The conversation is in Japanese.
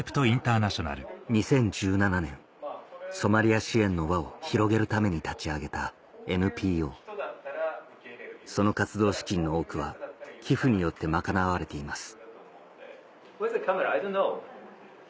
２０１７年ソマリア支援の輪を広げるために立ち上げたその活動資金の多くは寄付によって賄われています